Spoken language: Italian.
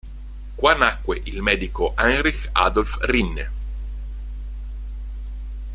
Qua nacque il medico Heinrich Adolf Rinne.